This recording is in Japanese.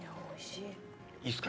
いいっすか？